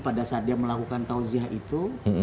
pada saat dia melakukan tausiah itu